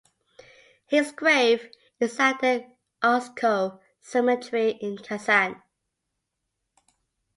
His grave is at the Arskoe Cemetery in Kazan.